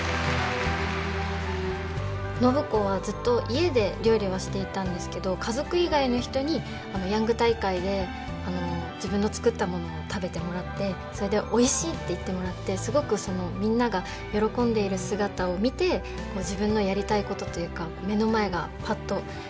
暢子はずっと家で料理はしていたんですけど家族以外の人にヤング大会で自分の作ったものを食べてもらってそれでおいしいって言ってもらってすごくみんなが喜んでいる姿を見て自分のやりたいことというか目の前がパッと開けました。